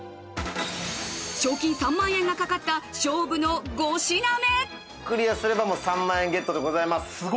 賞金３万円がかかったクリアすればもう３万円ゲットでございます。